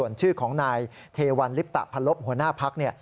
ส่วนชื่อของนายเทวันลิปตะพันลบหัวหน้าพัก